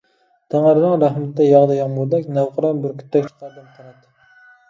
تەڭرىنىڭ رەھمىتى ياغدى يامغۇردەك، نەۋقىران بۈركۈتتەك چىقاردىم قانات.